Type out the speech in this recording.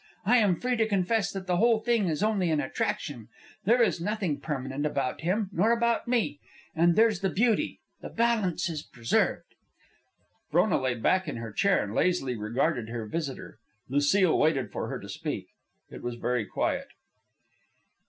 I am free to confess that the whole thing is only an attraction. There is nothing permanent about him, nor about me. And there's the beauty, the balance is preserved." Frona lay back in her chair and lazily regarded her visitor, Lucile waited for her to speak. It was very quiet.